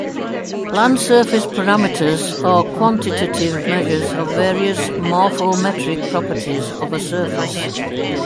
Land surface parameters are quantitative measures of various morphometric properties of a surface.